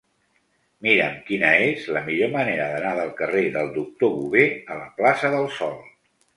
Mira'm quina és la millor manera d'anar del carrer del Doctor Bové a la plaça del Sol.